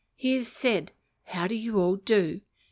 "He has said, how do you all do?"